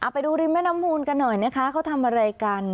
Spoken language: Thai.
ไปดูริมแม่น้ำมูลกันหน่อยนะคะเขาทำอะไรกัน